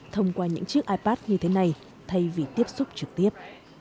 thông qua những chiếc ipad như thế này thay vì tiếp xúc trực tiếp